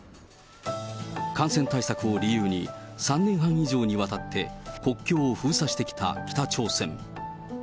感染対策を理由に、３年半以上にわたって、国境を封鎖してきた北朝鮮。